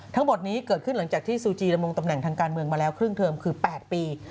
ทั้งหมดนี้เกิดขึ้นหลังจากที่ซูจีดำรงตำแหน่งทางการเมืองมาแล้วครึ่งเทอมคือ๘ปี